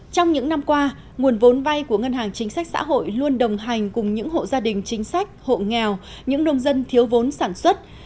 trong những năm qua nguồn vốn vay của ngân hàng chính sách xã hội luôn đồng hành cùng những hộ gia đình chính sách hộ nghèo những nông dân thiếu vốn sản xuất